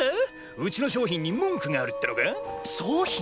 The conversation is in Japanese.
ウチの商品に文句があるってのか⁉商品？